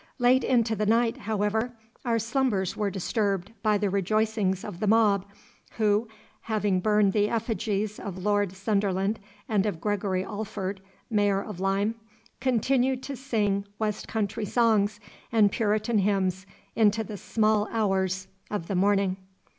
Late into the night, however, our slumbers were disturbed by the rejoicings of the mob, who, having burned the effigies of Lord Sunderland and of Gregory Alford, Mayor of Lyme, continued to sing west country songs and Puritan hymns into the small hours of the morning.